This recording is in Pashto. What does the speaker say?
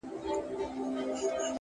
مثبت ذهن د فرصتونو بوی احساسوي.!